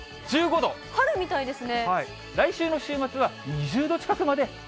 春みたいですね。